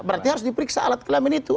berarti harus diperiksa alat kelamin itu